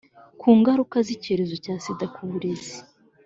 ku ngaruka z'icyorezo cya sida ku burezi.